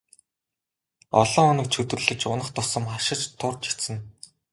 Олон хоног чөдөрлөж унах тусам харшиж турж эцнэ.